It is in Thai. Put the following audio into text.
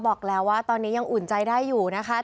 บอกแล้วว่าตอนนี้ยังอุ่นใจได้อยู่นะคะ